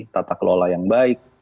tata kelola yang baik